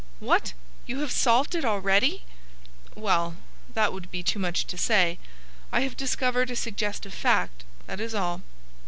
"What! you have solved it already?" "Well, that would be too much to say. I have discovered a suggestive fact, that is all.